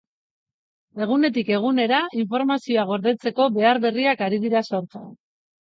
Egunetik egunera, informazioa gordetzeko behar berriak ari dira sortzen.